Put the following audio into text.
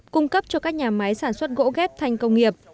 cung cấp cho các nhà máy sản xuất gỗ ghép thành công nghiệp